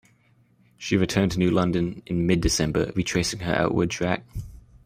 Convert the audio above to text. She returned to New London in mid-December, retracing her outward track.